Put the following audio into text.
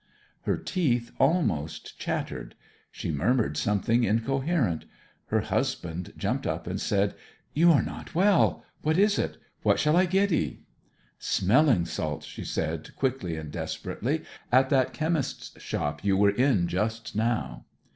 Her teeth almost chattered; she murmured something incoherent. Her husband jumped up and said, 'You are not well! What is it? What shall I get 'ee?' 'Smelling salts!' she said, quickly and desperately; 'at that chemist's shop you were in just now.'